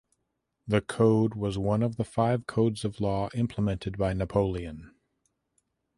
The code was one of the five codes of law implemented by Napoleon.